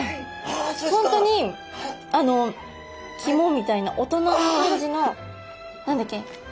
本当にあの肝みたいな大人な味の何だっけ？